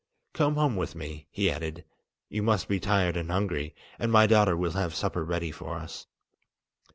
"Come home with me," he added; "you must be tired and hungry, and my daughter will have supper ready for us."